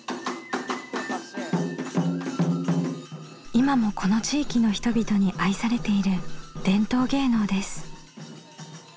今もこの地域の人々に愛されている伝統芸能です。